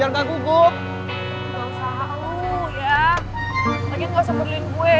ya kagian lu ga usah peduliin gue